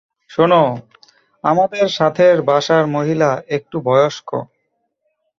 শোনো, আমাদের সাথের বাসার মহিলা একটু বয়স্ক।